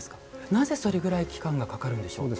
なぜそれぐらい期間がかかるんでしょうか。